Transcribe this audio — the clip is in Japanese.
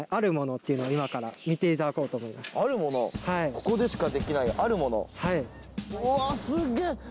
ここでしかできないあるものはいうわ